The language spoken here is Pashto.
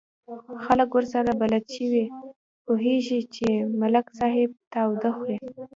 خلک ورسره بلد شوي، پوهېږي چې ملک صاحب تاوده خوري.